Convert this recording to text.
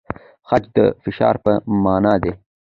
خج د فشار په مانا دی؟